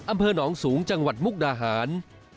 อำเภอหนองสูงจังหวัดมุกดาหาร